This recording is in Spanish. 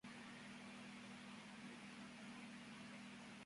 Quevedo estudió actuación en la Escuela de Teatro Mocha Graña de Barranco.